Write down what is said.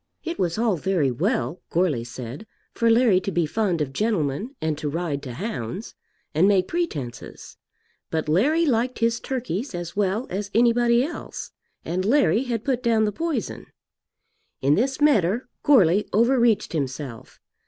It was all very well, Goarly said, for Larry to be fond of gentlemen and to ride to hounds, and make pretences; but Larry liked his turkeys as well as anybody else, and Larry had put down the poison. In this matter Goarly overreached himself.